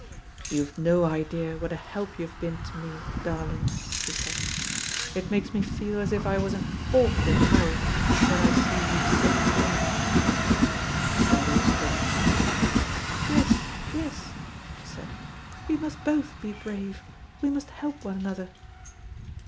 "You've no idea what a help you have been to me, darling," he said. "It makes me feel as if I was an awful coward, when I see you so brave." Dodo stroked his hand. "Yes, yes," she said, "we must both be brave, we must help one another."